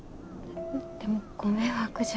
でもご迷惑じゃ。